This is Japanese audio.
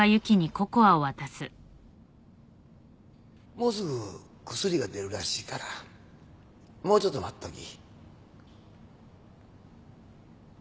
もうすぐ薬が出るらしいからもうちょっと待っとき。